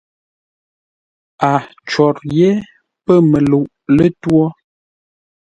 A cwor yé pə̂ məluʼ lətwǒ.